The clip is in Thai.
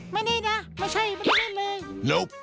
ไม่ได้นะไม่ใช่ไม่ได้เล่นเลย